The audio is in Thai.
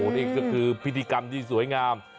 นี่ก็คือพิธีกรรมที่สวยงาม